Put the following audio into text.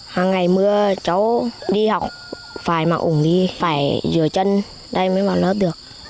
hàng ngày mưa cháu đi học phải mặc ủng đi phải rửa chân đây mới vào lớp được